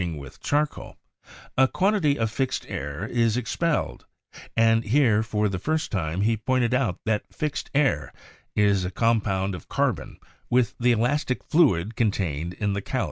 ing with charcoal, a quantity of fixed air is expelled; and here for the first time he pointed out that " 'fixed air' is a compound of carbon with the elastic fluid contained in the 'calx.'